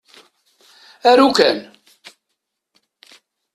Aru kan!